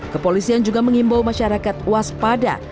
kepolisian juga mengimbau masyarakat waspada